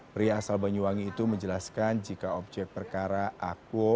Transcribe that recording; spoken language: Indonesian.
pria asal banyuwangi itu menjelaskan jika objek perkara akuo